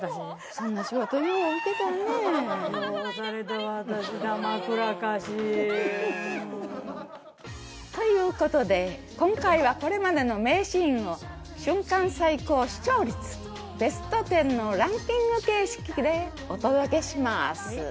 そんな仕事よう受けたわね。という事で今回はこれまでの名シーンを瞬間最高視聴率ベスト１０のランキング形式でお届けします。